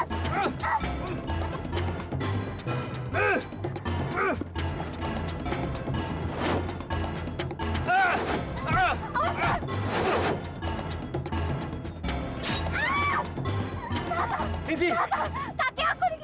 kaki aku digigit